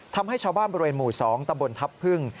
ทำให้ชาวบ้านบริเวณหมู่๒ตำบลทัพพึ่ง